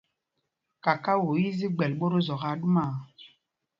Kakao í í zi gbɛl ɓót o Zɔk aa ɗumaa.